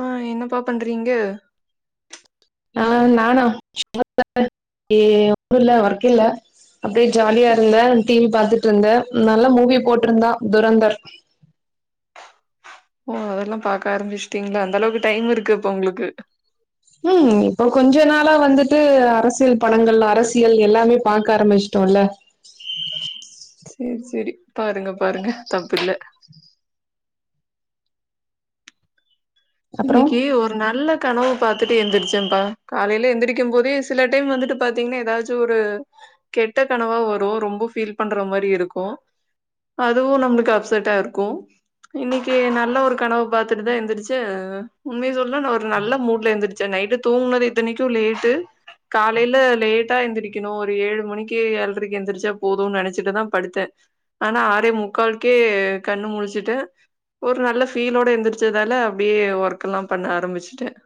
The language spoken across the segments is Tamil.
ஆஹ என்னப்பா பண்றீங்க ஆ நானா [unintelligible] இல்ல ஒர்க் இல்ல அப்டியே ஜாலியா இருந்தே டி வி பாத்துட்ருந்தே நல்ல மூவி போட்ருந்தா துரந்தர் ஓ அதெல்லா பாக்க ஆரம்பிச்சுட்டீங்களா அந்த அளவுக்கு டைம் இருக்கு அப்ப உங்களுக்கு உம் இப்போ கொஞ்ச நாளா வந்துட்டு அரசியல் படங்கள் அரசியல் எல்லாமே பாக்க ஆரம்பிச்சுட்டோம்ல்ல சரி சரி பாருங்க பாருங்க தப்புல அப்புறம் இன்னக்கி ஒரு நல்ல கனவு பாதுடு எந்திரச்சேப்பா காலையில எந்திரக்கும் போதே சில டைம் வந்துட்டு பாத்தீங்கன்னா ஏதாச்சும் ஒரு கெட்ட கனவா வரும் ரொம்ப பீல் பண்ற மாதிரி இருக்கும் அதுவும் நம்மளுக்கு அப்செட்ட இருக்கும் இன்னைக்கு நல்ல ஒரு கனவை பாத்துட்டு தான் எந்திரிச்ச த உண்மைய சொல் ஒரு நல்ல மூட்ல எந்திருச்சு நைட்டு தூங்குனது இதனைக்கும் லேட்டு காலையில லேட்டா எந்திரிக்கணும் ஒரு ஏழு மணிக்கு ஏழரைக்கு எழுந்திரிச்சா போதும்னு நினைச்சிட்டுதான் படுத்தேன் ஆனா ஆறே முக்காலக்கே கண்ணு முழுச்சுட்டேன் ஒரு நல்ல ஃபீலோட எந்திரிச்சதுனால அப்டியே ஒர்க் எல்லாம் பண்ண ஆரம்பிச்சுடேன்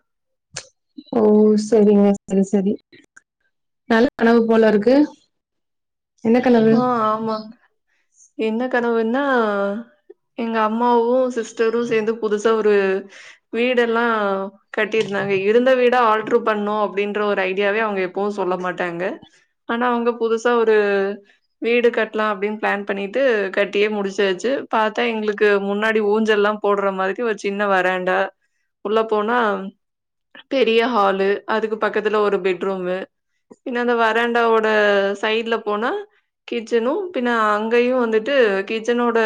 ஓ சரிங்க சரி சரி நல்ல கனவு போல இருக்கு என்ன கனவு ஆ ஆமா. என்ன கனவுன்னா எங்க அம்மாவும் சிஸ் சேந்து புதுசா ரு வீடெல்லாம் கட்டியிருந்தாங்க இருந்த வீட ஆல் ப்ரூப்பண்ணும் அப்டின்ற ஒரு ஐடியாவே அவங்க எப்வும் சொல்ல மாட்டாங்க ஆனா அவங்க புதுசா ஒரு வீடு கட்டலாம் அப்படின்னு பிளான் பண்ணிட்டு கட்டியே முடிச்சாச்சு பத்தா எங்களுக்கு முன்னாடி ஊஞ்சல் எல்லாம் போடுற மாதிரி ஒரு சின்ன வராண்டா உள்ள போனா பெரிய ஹாலு அதுக்கு பக்கத்துல ஒரு பெட்ரூம்மு இன்ன அந்த வராண்டாவோட சைடு்ல போனா கிச்சனும் பின்ன அங்கயும் வந்துட்டு கிச்சனோட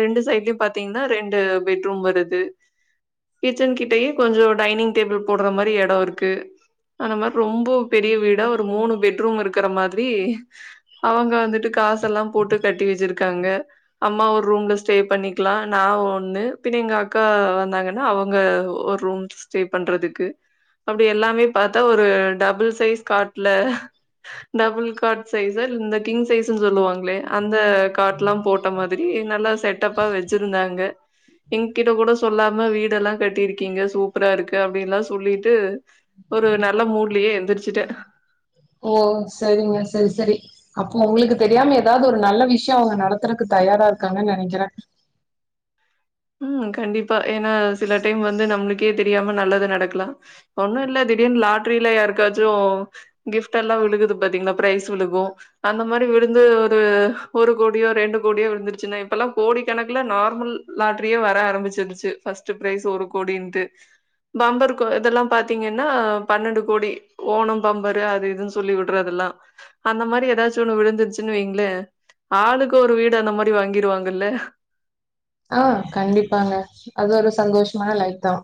ரெண்டு சைட்லயும் பாத்தீங்கன்னா ரெண்டு பெட்ரூம் வருது கிச்சன் கிட்டயே கொஞ்சம் டைனிங் டேபிள் போடுற மாரி இடம் இருக்கு அந்த மாரி ரொம்ப பெரிய வீடா ஒரு மூணு பெட்ரூம் இருக்கிற மாரி அவங்க வந்துட்டு காசெல்லா போட்டு கட்டி வச்சிருக்காங்க அம்மா ஒரு ரூம்ல ஸ்டே பண்ணிக்கலாம் நான் ஒண்ணு பின் எங்க அக்கா வந்தாங்கன்னா அவங்க ஒரு ரூம் ஸ்டே பண்றதுக்கு அப்படி எல்லாமே பாத்தா ஒரு டபுள் சைஸ் காட்ல டபுள் கார்ட் சைஸசர் கிங் சைஸ் சொல்லுவாங்களே அந்த காட் எல்லாம் போட்ட மாரி நல்லா செட்டப்பா வச்சிருந்தாங்க எங்கிட்ட கூட சொல்லாம நல்ல வீடெல்லாம் கட்டிருக்கீங்க சூப்பரா இருக்கு அப்படின்னுல்லாம் சொல்லிட்டு ஒரு நல்ல மூட்லயே எந்திரிச்சுட்டேன் ஓ சரிங்க சரி சரி அப்போ உங்களுக்கு தெரியாம ஏதாவது ஒரு நல்ல விஷயம் அவங்க நடத்துறக்கு தயாரா இருக்காங்கன்னு நினைக்கிறேன் உம் கண்டிப்பா ஏன்னா சில டைம் வந்து நம்மளுக்கே தெரியாம நல்லது நடக்கலாம் ஒன்னும் இல்ல திடீர்னு லாட்ரில யாருகாச்சும் கிஃப்ட் எல்லாம் விழுகுது பாத்தீங்களா பிரைஸ் விழுகும் அந்த மாரி விழுந்து ஒரு ஒரு கோடியோ ரெண்டு கோடியோ விழுந்துருச்சுன்னா இப்ல்லாம் கோடி கணக்கல நார்மல் லாட்டரியே வர ஆரம்பிச்சிருச்சு பஸ்ட் பிரைஸ் ஒரு கோடின்னுட்டு பம்பர் இதெல்லாம் பாத்தீங்கன்னா பன்னெண்டு கோடி ஓணம் பம்பரு அது இதுன்னு சொல்லி விடுறதெல்லாம் அந்த மாரி ஏதாச்சும் ஒண்ணு விழுந்துருச்சுன்னு வைங்களே ஆளுக்கு ஒரு வீடு அந்த மாரி வாங்கிடுவாங்கல்ல ஆஹ கண்டிப்பாங்க அது ஒரு சந்தோஷமான லைப் தான்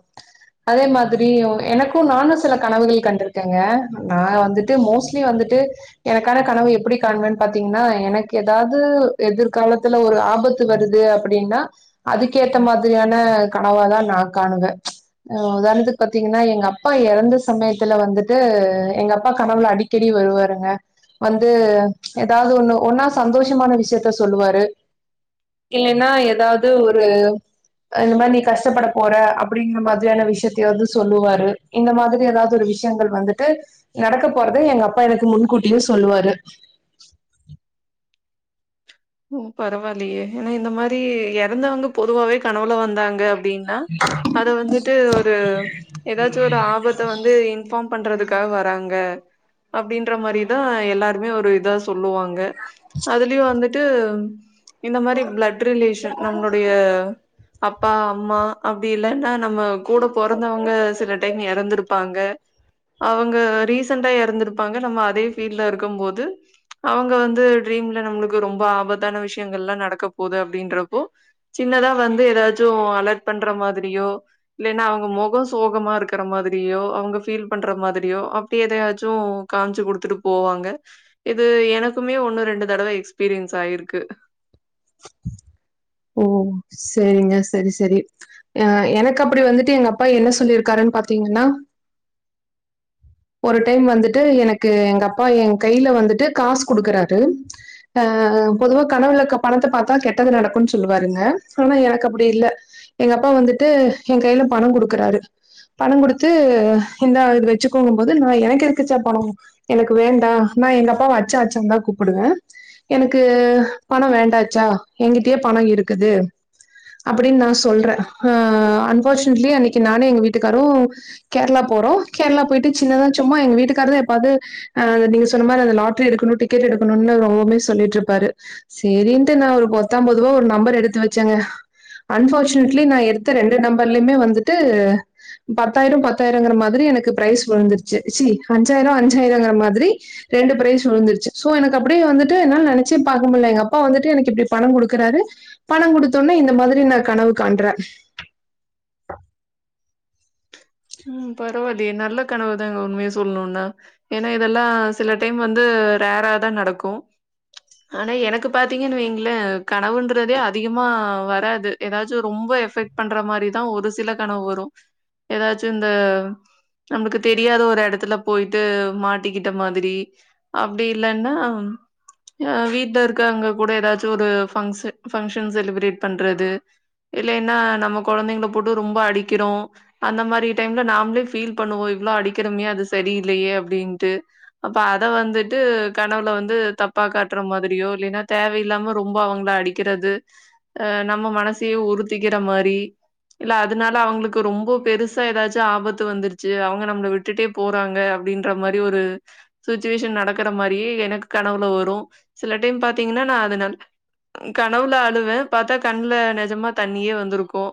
அதே மாதிரி எனக்கும் நானும் சில கனவுகள் கண்டிருக்கேங்க நான் வந்துட்டு மோஸ்லி வந்துட்டு எனக்கான கனவு எப்படி காணுவேன்னு பாத்தீங்கன்னா எனக்கு ஏதாவது எதிர்காலத்துல ஒரு ஆபத்து வருது அப்படின்னா அதுக்கேத்த மாதிரியான கனவ தான் நான் காணுவேன் அஹ உதாரணத்துக்கு பாத்தீங்கன்னா எங்க அப்பா இறந்த சமயத்துல வந்துட்டு எங்க அப்பா கனவுல அடிக்கடி வருவாருங்க வந்து ஏதாவது ஒண்ணு ஒன்னா சந்தோஷமான விஷயத்த சொல்லுவாரு இல்லன்னா ஏதாவது வ ஒரு இந்த மாதிரி நீ கஷ்டப்பட போற அப்படிங்கிற மாதிரியான விஷயத்தாவது சொல்லுவாரு இந்த மாதிரி ஏதாவது ஒரு விஷயங்கள் வந்துட்டு நடக்க போறத எங்க அப்பா எனக்கு முன்கூட்டியே சொல்லுவாரு ஓ பரவாயில்லையே ஏன்னா இந்த மாதிரி இறந்தவங்க பொதுவாவே கனவுல வந்தாங்க அப்படின்னா அத வந்துட்டு ஒரு ஏதாச்சும் ஒரு ஆபத்தை வந்து இன்பார்ம் பண்றதுக்காக வராங்க அப்டின்ற மாரி தான் எல்லாருமே ஒரு இதா சொல்லு சொல்லுவாங்க அதுலயும் வந்து ட்டு இந்த மாரி பிளட் ரிலேஷன் நம்மளுடைய அப்பா அம்மா அப்டி இல்லன்னா நம்ம கூட பிறந்தவங்க சில டைம் இறந்துஇருப்பாங்க அவங்க ரீசண்டா இறந்திருப்பாங்க நம்ம அதே பீல்ல இருக்கும் போது அவங்க வந்து டரீம்ல நம்மளுக்கு ரொம்ப ஆபத்தான விஷயங்கள் எல்லாம் நடக்க போகுது அப்படின்றப்போ சின்னதா வந்து ஏதாச்சும் அலர்ட் பண்ற மாதிரியோ இல்லைன்னா அவங்க முகம் சோகமா இருக்கற மாதிரியோ அவங்க பீல் பண்ற மாதிரியோ அப்பிடி எதாச்சும் காமிச்சு குடுத்துட்டு போவாங்க இது எனக்குமே ஒன்னு ரெண்டு தடவ எக்ஸ் எஸ்பீரியன்ஸ் ஆயிருக்கு [inaudible] ஓ செரிங்க செரி செரி அ எனக்கு அப்டி வந்துட்டு எங்க அப்பா என்ன சொல்லியிருக்காருன்னு பாத்தீங்கன்னா ஒரு டைம் வந்துட்டு எனக்கு எங்க அப்பா என் கையில வந்துட்டு காசு குடுக்குறாரு ஆஹ் பொதுவா கனவுல பணத்த பாத்தா கெட்டது நடக்கும்ன்னு சொல்லுவாருங்க ஆனா எனக்கு அப்படி இல்ல எங்க அப்பா வந்துட்டு என் கையில பணம் கொடுக்குறாரு பணம் கொடுத்து இந்த இது வச்சு கூம்பது நான் எனக்கு இருக்குச்சா பணம் எனக்கு வேண்டா நான் எங்க அப்பாவ அச்ச அச்ச தான் கூப்பிடுவேன் எனக்கு பணம் வேண்டாச்சா எங்கிட்டயே பணம் இருக்குது அப்படின்னு நான் சொல்றேன் அன்பார்ஷ்னேட்ழி அன்னிக்கி நானும் எங்க வீட்டுக்காரும் கேரளா போறோம் கேரளா போயிட்டு சின்னத சும்மா எங்க வீட்டுக்காரங்க சொன்னிந்த லாட்டரி எடுக்கணும் டிக்கெட் எடுக்கணும் ரொம்பே சொல்லிட்டு இருப்பாரு சரின்ட்டு நான் ஒரு பத்தம்பதுவா ஒரு நம்பர் எடுத்து வச்சேங்க அன்பார்னேட்ழி எடுத்த ரெண்டு நம்பர் வந்து பத்தாயிரம் பத்தாயிரங்கற மாதிரி எனக்கு பி சுழுந்துருச்சு சி அஞ்சாயிரம் அஞ்சாயிரம்ங்கிற மாதிரி ரெண்டு ப்ஃறைஸ் விழுந்துருச்சு சோ எனக்கு அப்படியே வந்துட்டு என்னால நினைச்சே பாக்க முடியில எங்க அப்பா வந்துட்டு எனக்கு எப்படி பணம் கொடுக்குறாரு பணம் கொடுத்தோனே இந்த மாதிரி நான் கனவு காண்றேன் உம் பரவாயிலயே நல்ல கனவுதான்ங்க உண்மே சொல்லணும்னா ஏன்னா இதெல்லாம் சில டைம் வந்து ரேரா தான் நடக்கும் ஆனா எனக்கு பாத்தீங்கன்னு வைங்களே கனவுன்றதே அதிகமா வராது ஏதாச்சும் ரொம்ப எஃபெக்ட் பண்ற மாரிதான் ஒரு சில கனவு வரும் ஏதாச்சும் இந்த நமக்கு தெரியாத ஒரு இடத்துல போயட்டு மாட்டிக்கிட்ட மாதிரி அப்படி இல்லன்னா வீட்டுல இருக்க அங்க கூட ஏதாவது ஒரு பங்க்ஷன் பங்க்ஷன் செலப்ரேட் பண்றது இல்லனா நம்ம கொழந்தைங்கல போட்டு ரொம்ப அடிக்கிறோம் அந்த மாரி டைம்ல நாமளே பீல் பண்ணுவோம் இவ்வளவு அடிக்கிறமே அது சரியில்லையே அப்படின்ட்டு அப்ப அத வந்துட்டு கனவுல வந்து தப்பா காட்டுற மாதிரியோ இல்லைன்னா தேவையில்லாம ரொம்ப அவங்கள அடிக்கிறது அஹ நம்ம மனசையே உறுத்திக்கிற மாரி இல்ல அதனால அவங்களுக்கு ரொம்ப பெருசு ஏதாச்சும் ஆபத்து வந்துருச்சு அவங்க நம்மள விட்டுட்டே போறாங்க அப்படின்ற மாரி ஒரு சுச்சுவேஷன் நடக்கற மாரியே எனக்கு கனவுல வரும் சில டைம் பா்த்தீங்கன்னா நான் அதனா கனவுல அழுவேன் பாத்தா கண்ல நஜமா தண்ணியே வந்திருக்கும்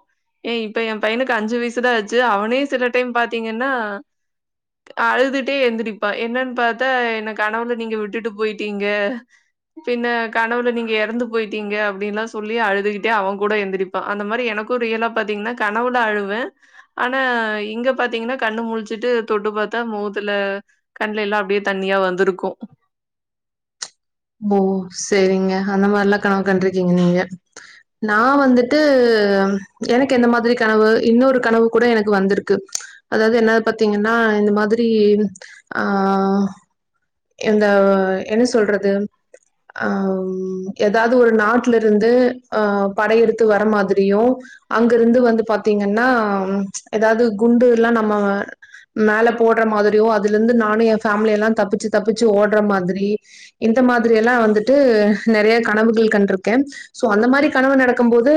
ஏ இப்ப என் பையனுக்கு அஞ்சு வயசுதான் அவனே சில டைம் பாத்தீங்கன்னா அழுதுட்டே எந்திரிப்பான் என்னன்னுப்த்தா என்ன கனவுல நீங்க விட்டுட்டு போயிட்டீங்க பின்ன கனவுல நீங்க இறந்து போயிட்டீங்க அப்படின்னுல்லாம் சொல்லி அழுதுகிட்டே அவன் கூட எந்திரிப்பான் அந்த மாதிரி எனக்கும் ரியலா பாத்தீங்கன்னா கனவுல அழுவேன் ஆனா இங்க பாத்தீங்கன்னா கண்ணு முழிச்சுட்டு தொட்டு பார்த்தா முகத்துல கண்ல எல்லாம் அப்படியே தண்ணியா வந்திருக்கும் ஓ சரிங்க அந்த மாதிரல்லாம் கனவு கண்டிருக்கீங்க நீங்க நான் வந்துட்டு எனக்கு எந்த மாதிரி கனவு இன்னொரு கனவு கூட எனக்கு வந்திருக்கு அதாவது என்ன பாத்தீங்கன்னா இந்த மாதிரி ஆஹ் இந்த என்ன சொல்றது அஹம் ஏதாவது ஒரு நாட்டுல இருந்து ஆஹ் படை எடுத்து வர மாதிரியும் அங்க இருந்து வந்து பாத்தீங்கன்னா ஏதாவது குண்டு எல்லாம் நம்ம மேல போடுற மாதிரியும் அதுல இருந்து நானும் என் ஃபேமிலிய எல்லாம் தப்பிச்சு தப்பிச்சு ஓடுற மாதிரி இந் இந்த மாதிரி எல்லாம் வந்துட்டு நிறைய கனவுகள் கண்டிருக்கேன் சோ அந்த மாதிரி கனவு நடக்கும் போது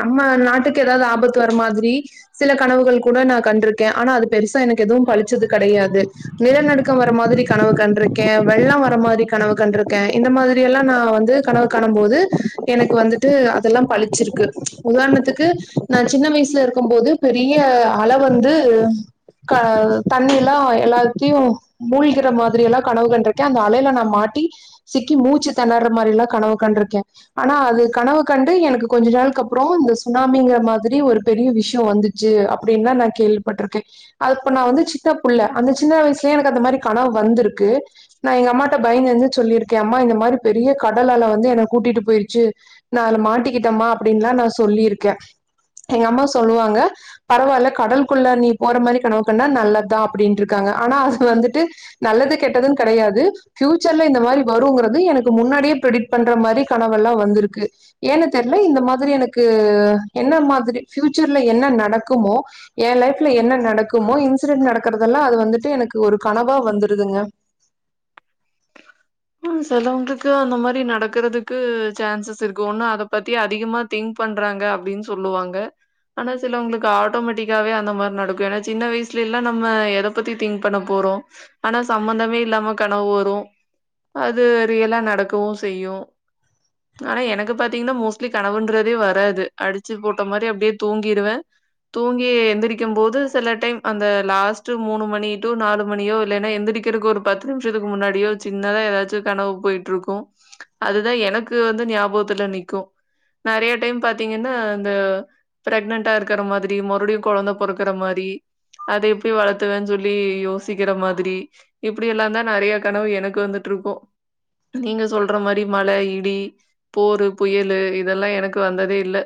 நம்ம நாட்டுக்கு ஏதாவது ஆபத்து வர மாதிரி சில கனவுகள் கூட நான் கண்டிருக்கேன் ஆனா அது பெருசா எனக்கு எதுவும் பளிச்சது கெடையாது நிலநடுக்கம் வர மாதிரி கனவு கண்டிருக்கேன் வெள்ளம் வர மாரி கனவு கண்டிரு க்கேன் இந்த மாதிரி எல்லாம் நான் வந்து கனவு காணும் போது எனக்கு வந்துட்டு அதெல்லாம் பளிச்சிருக்கு உதாரணத்துக்கு நான் சின்ன வயசுல இருக்கும் போது பெரிய அல வந்து க தண்ணி எல்லாம் எல்லாத்தையும் மூழ்கிற மாதிரி எல்லாம் கனவு கண்டிருக்கேன் அந்த அலையில நான் மாட்டி சிக்கி மூச்சு திணர்ற மாரி எல்லாம் கனவு கண்டிருக்கேன் ஆனா அது கனவு கண்டு எனக்கு கொஞ்ச நாளுக்கு அப்புறம் இந்த சுனாமிங்கிற மாதிரி ஒரு பெரிய விஷயம் வந்துச்சு அப்படின்னுலாம் நான் கேள்விப்பட்டிருக்கேன் அது இப்ப நான் வந்து சின்ன புள்ள அந்த சின்ன வயசுலயே எனக்கு அந்த மாதிரி கனவு வந்திருக்கு நான் எங்க அம்மாட்ட பயந்திருந்து சொல்லியிருக்கேன் ம் அம்மா இந்தமாரி பெரிய கடல்லல வந்து என கூட்டிட்டு போயிருச்சு நான் அத மாட்டிக்கிட்டேம்மா அப்படின்னுல்லாம் நான் சொல்லியிருக்கேன் எங்க அம்மா சொல்லுவாங்க பரவாயில்ல கடலுள்ள நீ போற மாரி கனவு கனா நல்லதான் அப்படின்ட்டு இருக்காங்க ஆனா அது வந்துட்டு நல்லது கெட்டதுன்னு கெடையாது பியூச்சர்ல இந்த மாரி வருங்குறது எனக்கு முன்னாடியே பிடிட் பண்ற மாரி கனவெல்லாம் வந்திருக்கு ஏன்ன தெரியல இந்த மாதிரி எனக்கு என்ன மாதிரி பியூச்சர்ல என்ன நடக்குமோ என் லைப்ல என்ன நடக்குமோ இன்சிடென்டு நடக்கறதெல்லாம் அது வந்துட்டு எனக்கு ஒரு கனவா வந்துருதுங்க ம் சிலவங்களுக்கு அந்த மாரி நடக்கறதுக்கு சான்சஸ் இருக்கு ஒண்ணும் அத பத்தி அதிகமா திங்க் பண்றாங்க அப்படின்னு சொல்லுவாங்க ஆனா சிலவங்களுக்கு ஆட்டோமேட்டிக்காவே அந்த மாரி நடக்கும் ஏன்னா சின்ன வயசுல எல்லாம் நம்ம எத பத்தி திங்க் பண்ண போறோம் ஆனா சம்பந்தமே இல்லாம கனவு வரும் அது ரியலா நடக்கவும் செய்யும் ஆனா எனக்கு பாத்தீங்கன்னா மோஸ்ட்லி கனவுன்றதே வராது அடிச்சு போட்ட மாதிரி அப்படியே தூங்கிருவேன் தூங்கி எந்திரக்கும் போது சில டைம் அந்த லாஸ்ட் மூணு மணியோ நாலு மணியோ இல்லைன்னா எந்திரிக்கிறதுக்கு ஒரு பத்து நிமிஷத்துக்கு முன்னாடியோ வச்சு த ஏதாச்சும் கனவு போய்ட்டு இருக்கும் அதுதான் எனக்கு வந்து ஞாபகத்துல நக்கும் நெறைய டைம் பாத்தீங்கன்னா இந்த பிரெக்னன்டா இருக்கற மாதிரி மறுபடியும் கெழந்த பொறக்கற மாரி அத எப்படி வளத்துவன்னு சொல்லி யோசிக்கிற மாதிரி இப்படி எல்லாம் தான் நெறைய கனவு எனக்கு வந்துட்டு இருக்கோம் நீங்க சொல்ற மாரி மழை இடி போரு புயலு இதெல்லாம் எனக்கு வந்ததே இல்ல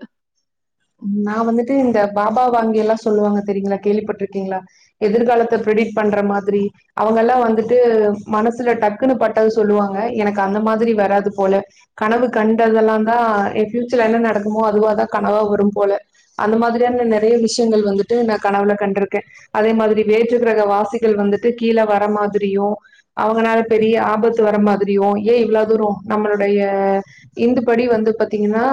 நான் வந்துட்டு இந்த பாபா வாங்கி எல்லாம் சொல்லுவாங்க தெரியங்களா கேள்விப்பட்டிருக்கீங்களா எதிர்காலத்த பரெடிக்ட் பண்ற மாதிரி அவங்க எல்லாம் வந்துட்டு மனசுல டக்குனு பட்டது சொல்லுவாங்க எனக்கு அந்த மாதிரி வராது போல கனவு கண்டதெல்லாம் தான் என் பஃபயூச்சர்ல என்ன நடக்குமோ அதுவாதான் கனவா போல அந்த மாதியானா நிறைய விஷயங்கள் வந்துட்டு நான் கனவுல கண்டிருக்கேன் அதே மாதிரி வேற்றுக்கிரக வாசிகள் வந்துட்டு கீழே வர மாதிரியும் அவங்கனால பெரிய ஆபத்து வர மாதிரியும் ஏன் இவ்ள தூ நம்மளுடைய இந்துபடி வந்து பாத்தீங்கன்னா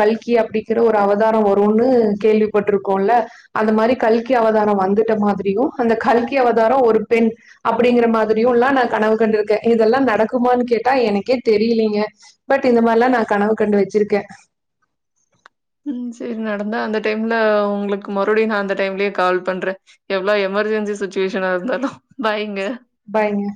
கல்கி அப்டிங்ற ஒரு அவ அவதாரம் வரும்ன்னு கேள்விப்பட்டிருக்கோம்ல அந்த மாதிரி கல்கி அவதாரம் வந்துட்ட மாதிரியும் அந்த கல்கி அவதாரம் ஒரு பெண் அப்படிங்கிற மாதிரியும் எல்லாம் நான் கனவு கண்டுருக்கேன் இதெல்லாம் நடக்குமான்னு கேட்டா எனக்கே தெரியிலீங்க பட் இந்த மாதிரில்லாம் நான் கனவு கண்டு வச்சிருக்கேன் ம் சரி நடந்தா அந்த டைம்ல உங்களுக்கு மறுபடியும் நான் அந்த டைம்லே கால் பண்றேன் எவ்வளவு எமர்ஜென்சி சுச்சுவேஷனா இருந்தாலும் பாய்ங்க பாய்ங்க